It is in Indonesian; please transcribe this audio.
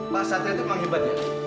pak satria itu memang hebat ya